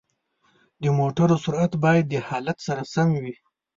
د موټرو سرعت باید د حالت سره سم وي.